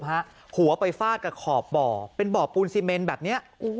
หัวไปฟาดกับขอบบ่อเป็นบ่อปูนซีเมนแบบนี้